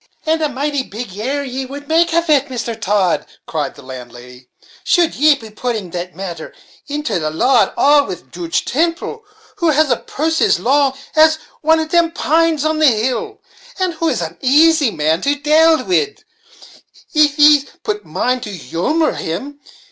"And a mighty big error ye would make of it, Mister Todd," cried the landlady, "should ye be putting the matter into the law at all, with Joodge Temple, who has a purse as long as one of them pines on the hill, and who is an asy man to dale wid, if yees but mind the humor of him.